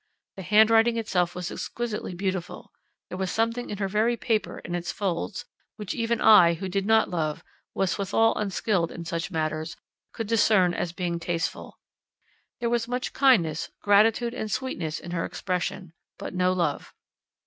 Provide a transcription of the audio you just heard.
The hand writing itself was exquisitely beautiful; there was something in her very paper and its folds, which even I, who did not love, and was withal unskilled in such matters, could discern as being tasteful. There was much kindness, gratitude, and sweetness in her expression, but no love.